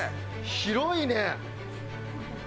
広いね。